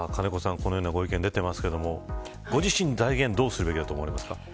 このようなご意見出ていますがご自身は財源どうすべきだと思いますか。